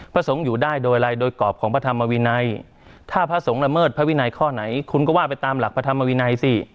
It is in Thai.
สงฆ์อยู่ได้โดยอะไรโดยกรอบของพระธรรมวินัยถ้าพระสงฆ์ละเมิดพระวินัยข้อไหนคุณก็ว่าไปตามหลักพระธรรมวินัยสิ